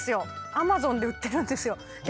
Ａｍａｚｏｎで売ってるんですよ。